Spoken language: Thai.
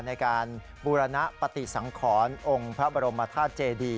ในการบูรณปฏิสังขรองค์พระบรมธาตุเจดี